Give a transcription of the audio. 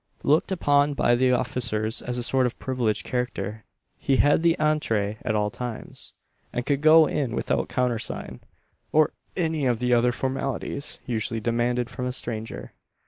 Looked upon by the officers as a sort of privileged character, he had the entree at all times, and could go in without countersign, or any of the other formalities usually demanded from a stranger.